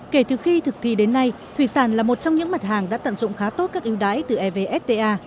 kể từ khi thực thi đến nay thủy sản là một trong những mặt hàng đã tận dụng khá tốt các yêu đái từ evfta